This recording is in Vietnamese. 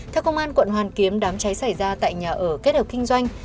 theo công an quận hoàn kiếm đám cháy xảy ra tại nhà ở kết hợp kinh doanh